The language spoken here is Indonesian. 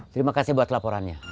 terima kasih buat laporannya